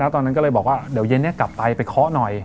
ตอนนั้นก็เลยบอกว่าเดี๋ยวเย็นนี้กลับไปไปเคาะหน่อย